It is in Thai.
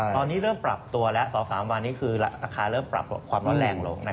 ตอนนี้เริ่มปรับตัวแล้ว๒๓วันนี้คือราคาเริ่มปรับความร้อนแรงลง